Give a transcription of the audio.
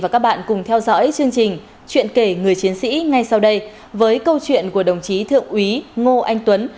chuyện kể người chiến sĩ ngay sau đây với câu chuyện của đồng chí thượng úy ngô anh tuấn